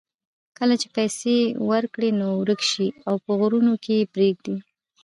کله چې پیسې ورکړې نو ورک شي او په غرونو کې یې پرېږدي.